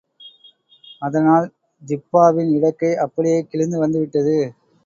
அதனால் ஜிப்பாவின் இடக்கை அப்படியே கிழிந்து வந்துவிட்டது.